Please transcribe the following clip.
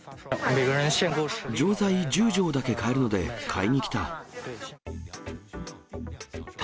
錠剤１０錠だけ買えるので買いに来た。